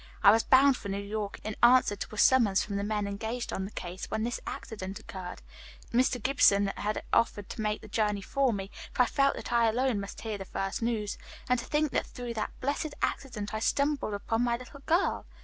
"I was bound for New York in answer to a summons from the men engaged on the case, when this accident occurred. Mr. Gibson had offered to make the journey for me, but I felt that I alone must hear the first news and to think that through that blessed accident I stumbled upon my little girl."